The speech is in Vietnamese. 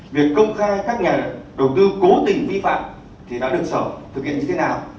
việc công khai các nhà đầu tư cố tình vi phạm thì đã được sở thực hiện như thế nào